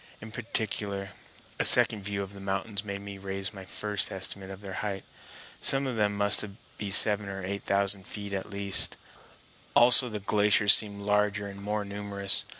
In particular a second view of the mountains made me raise my first estimate of their height. Some of them must be seven or eight thousand feet at the least. Also the glaciers seemed larger and more numerous.